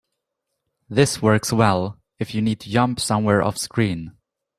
This works well if you need to jump somewhere offscreen.